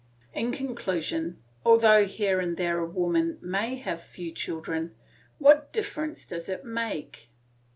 In conclusion, although here and there a woman may have few children, what difference does it make?